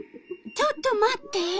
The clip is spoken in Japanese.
ちょっと待って。